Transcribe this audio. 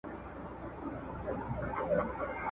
ږغ به خپور سو د ځنګله تر ټولو غاړو !.